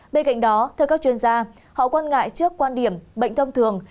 bên cạnh đó theo các chuyên gia họ quan ngại trước quan điểm bệnh thông thường